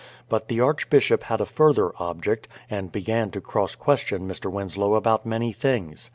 But the Archbishop had a further .object, and began to cross question Mr. Winslow about many things.